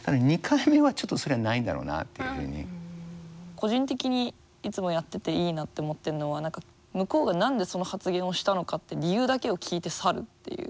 個人的にいつもやってていいなって思ってるのは向こうが何でその発言をしたのかって理由だけを聞いて去るっていう。